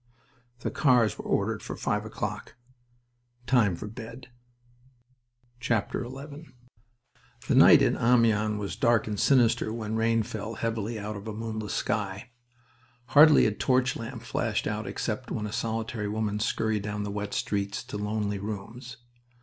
The cars were ordered for five o'clock. Time for bed. XI The night in Amiens was dark and sinister when rain fell heavily out of a moonless sky. Hardly a torch lamp flashed out except where a solitary woman scurried down the wet streets to lonely rooms.